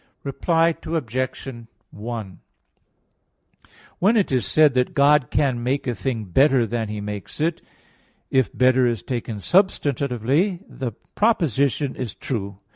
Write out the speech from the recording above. Reply Obj. 1: When it is said that God can make a thing better than He makes it, if "better" is taken substantively, this proposition is true.